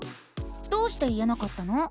どうして言えなかったの？